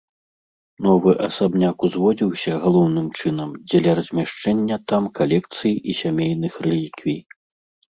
Новы асабняк узводзіўся, галоўным чынам, дзеля размяшчэння там калекцый і сямейных рэліквій.